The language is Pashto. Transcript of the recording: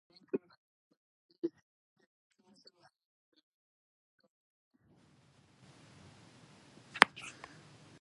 بيا څوک د پښتنو د اتفاق سندرې وايي